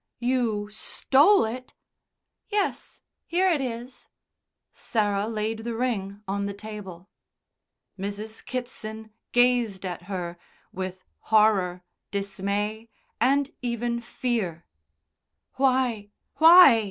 "You stole it!" "Yes; here it is." Sarah laid the ring on the table. Mrs. Kitson gazed at her with horror, dismay, and even fear. "Why? Why?